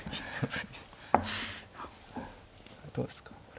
どうですかこれ。